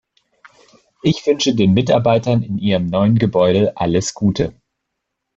Ich wünsche den Mitarbeitern in ihrem neuen Gebäude alles Gute.